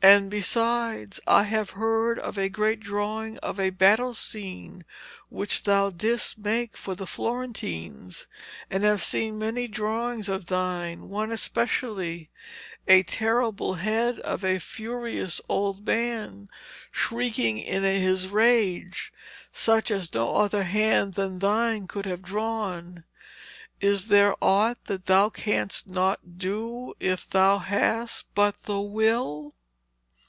And, besides, I have heard of a great drawing of a battle scene which thou didst make for the Florentines, and have seen many drawings of thine, one especially: a terrible head of a furious old man, shrieking in his rage, such as no other hand than thine could have drawn. Is there aught that thou canst not do if thou hast but the will?'